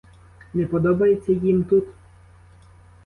Не подобається їм тут?